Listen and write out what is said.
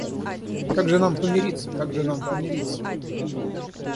Как же нам помириться, как же нам помириться?